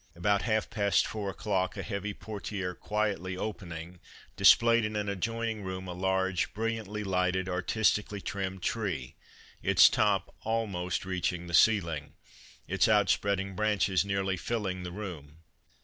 About half past four o'clock a heavy portiere quietly opening displayed in an adjoining room a large, brilliantly lighted, artistically trimmed tree, its top almost reaching the ceiling, its outspreading branches nearly filling the room.